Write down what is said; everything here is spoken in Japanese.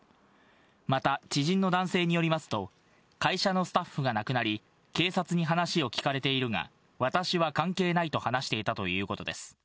また、知人の男性によりますと、会社のスタッフが亡くなり、警察に話を聞かれているが、私は関係ないと話していたということです。